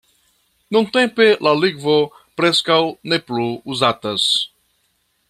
Nuntempe la lingvo preskaŭ ne plu uzatas.